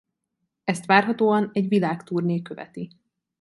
Ezt várhatóan egy világturné követi.